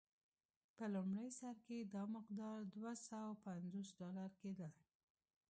په لومړي سر کې دا مقدار دوه سوه پنځوس ډالر کېدل.